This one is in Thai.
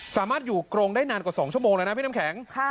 สามารถอยู่กรงได้นานกว่า๒ชั่วโมงแล้วนะพี่น้ำแข็ง